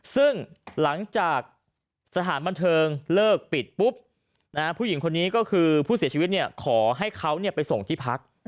ซึ่งหลังจากสถานบันเทิงเลิกปิดปุ๊บผู้หญิงคนนี้ก็คือผู้เสียชีวิตขอให้เขาไปส่งที่พัก